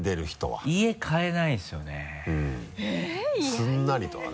すんなりとはね。